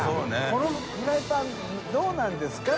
このフライパンどうなんですか？」